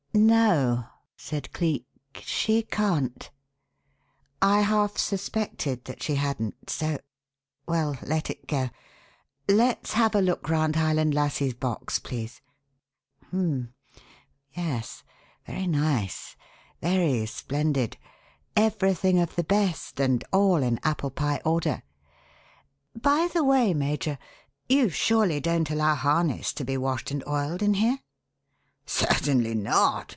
"No," said Cleek, "she can't. I half suspected that she hadn't, so well, let it go. Let's have a look round Highland Lassie's box, please. H'm! Yes! Very nice; very splendid everything of the best and all in apple pie order. By the way, Major, you surely don't allow harness to be washed and oiled in here?" "Certainly not!